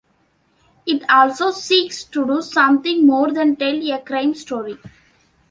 It also seeks to do something more than tell a crime story.